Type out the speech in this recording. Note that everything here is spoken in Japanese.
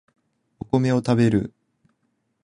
お米を食べる